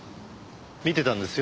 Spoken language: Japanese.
見てたんですよ。